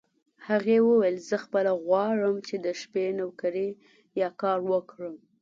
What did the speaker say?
هغې وویل: زه خپله غواړم چې د شپې نوکري یا کار وکړم.